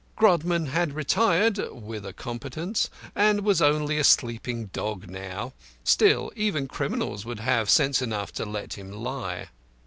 Grodman had retired (with a competence) and was only a sleeping dog now; still, even criminals would have sense enough to let him lie.